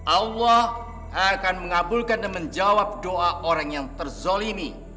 allah akan mengabulkan dan menjawab doa orang yang terzolimi